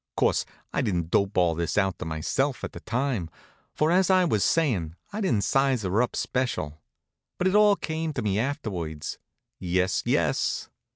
'Course, I didn't dope all this out to myself at the time; for, as I was sayin', I didn't size her up special. But it all came to me afterwards yes, yes!